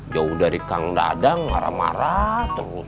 jauh dari kang dadang marah marah terus